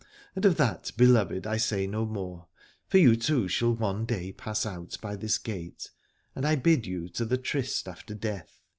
And of that, beloved, I say no more; for you too shall one day pass out by this gate, and I bid you to the Tryst after Death.